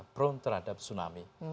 prone terhadap tsunami